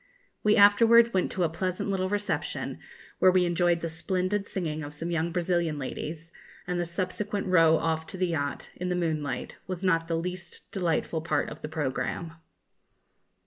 We afterwards went to a pleasant little reception, where we enjoyed the splendid singing of some young Brazilian ladies, and the subsequent row off to the yacht, in the moonlight, was not the least delightful part of the programme.